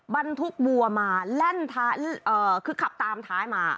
บรรทุกวัวมาคือขับตามท้ายมา